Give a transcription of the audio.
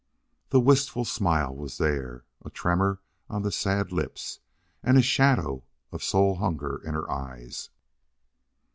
The wistful smile was there, a tremor on the sad lips, and a shadow of soul hunger in her eyes.